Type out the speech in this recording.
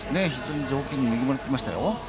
条件に恵まれてきましたよ。